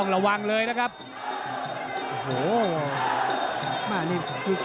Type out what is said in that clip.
ฝ่ายทั้งเมืองนี้มันตีโต้หรืออีโต้